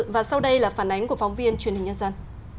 và sau đây là phản ánh của phóng viên truyền hình nhân dân